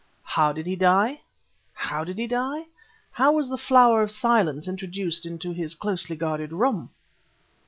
How did he die? How did he die? How was the Flower of Silence introduced into his closely guarded room?"